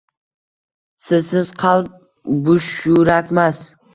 Sizsiz qalb bushyurakmas